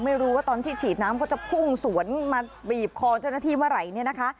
ไม่รู้ว่าตอนที่ฉีดน้ำเขาจะพุ่งสวนมาบีบคอเจ้าหน้าที่เมื่อไหร่เนี่ยนะคะ